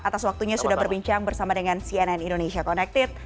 atas waktunya sudah berbincang bersama dengan cnn indonesia connected